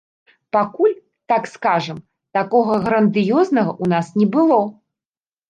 Пакуль, так скажам, такога грандыёзнага ў нас не было.